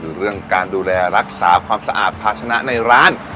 คือเรื่องการดูแลรักษาความสะอาดภาชนะในร้าน